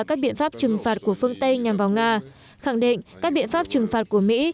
các biện pháp trừng phạt của phương tây nhằm vào nga khẳng định các biện pháp trừng phạt của mỹ